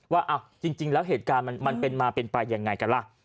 ว่าจริงแล้วเหตุการณ์มันเป็นมาเป็นไปยังไงกันล่ะ